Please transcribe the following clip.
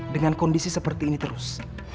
dengan kondisi seperti ini terus